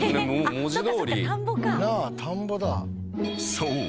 ［そう。